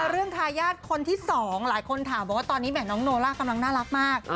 เรื่องทายาทคนที่๒หลายคนถามบอกว่าตอนนี้แหม่น้องโนล่ากำลังน่ารักมาก